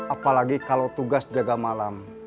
apalagi kalau tugas jaga malam